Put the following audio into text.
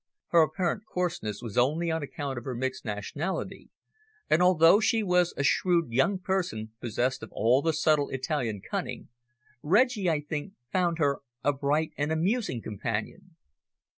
Her apparent coarseness was only on account of her mixed nationality, and although she was a shrewd young person possessed of all the subtle Italian cunning, Reggie, I think, found her a bright and amusing companion.